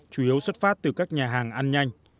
chủ yếu xuất phát từ các nhà hàng ăn nhanh